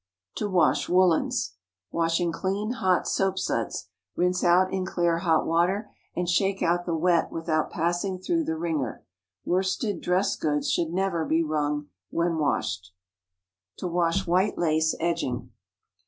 TO WASH WOOLENS. Wash in clean, hot soap suds; rinse out in clear, hot water, and shake out the wet without passing through the wringer. Worsted dress goods should never be wrung when washed. TO WASH WHITE LACE EDGING.